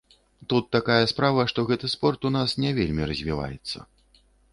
Тут такая справа, што гэты спорт у нас не вельмі развіваецца.